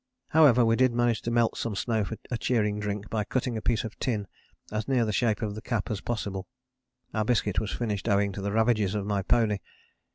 However, we did manage to melt some snow for a cheering drink by cutting a piece of tin as near the shape of the cap as possible. Our biscuit was finished owing to the ravages of my pony.